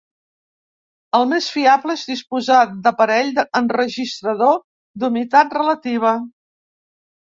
El més fiable és disposar d’aparell enregistrador d’humitat relativa.